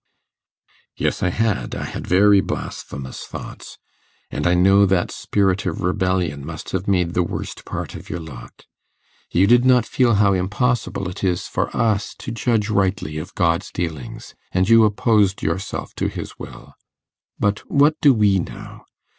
'Yes, I had; I had very blasphemous thoughts, and I know that spirit of rebellion must have made the worst part of your lot. You did not feel how impossible it is for us to judge rightly of God's dealings, and you opposed yourself to his will. But what do we know?